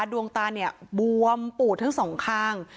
ดวงตาบวมปลูกทั้งสองข้าง